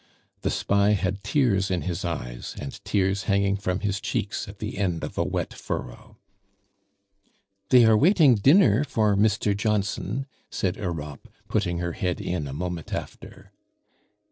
The spy had tears in his eyes, and tears hanging from his cheeks at the end of a wet furrow. "They are waiting dinner for Mr. Johnson," said Europe, putting her head in a moment after.